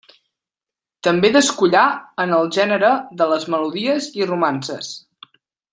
També descollà en el gènere de les melodies i romances.